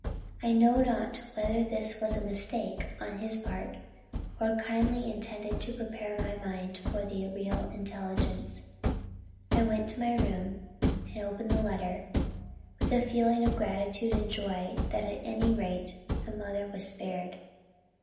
I know not whether this was a mistake on his part, or kindly intended to prepare my mind for the real intelligence. I went to my room, and opened the letter with a feeling of gratitude and joy, that at any rate the mother was spared.